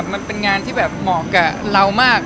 มันเป็นงานที่แบบเหมาะกับเรามาก